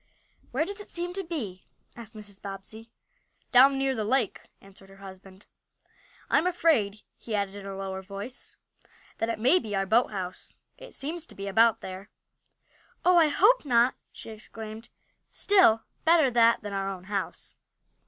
"Where does it seem to be?" asked Mrs. Bobbsey. "Down near the lake," answered her husband. "I'm afraid, he added in a lower voice, that it may be our boathouse. It seems to be about there." "Oh, I hope not!" she exclaimed. "Still, better that than our own house."